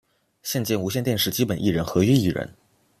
现兼无线电视基本艺人合约艺人。